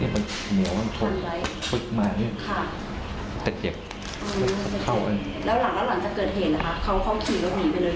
แล้วหลังจะเกิดเหตุล่ะคะเค้าเข้าขี่รถหนีไปเดินหรือไง